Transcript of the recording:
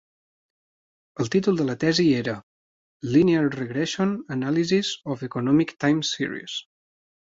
El títol de la tesi era "Linear regression analysis of economic time series".